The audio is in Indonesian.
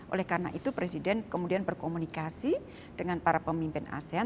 oleh karena itu presiden kemudian berkomunikasi dengan para pemimpin asean